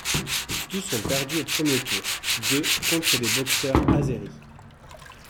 Tous ont perdu au premier tour, deux contre des boxeurs azeri.